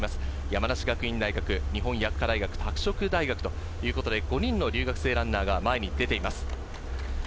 山梨学院大学、日本薬科大学、拓殖大学ということで、５人の留学生ランナーが前に出ています。